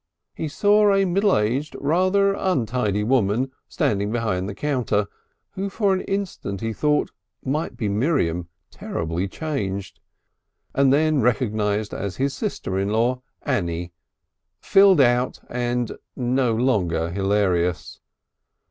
He saw a middle aged, rather untidy woman standing behind the counter, who for an instant he thought might be Miriam terribly changed, and then recognised as his sister in law Annie, filled out and no longer hilarious.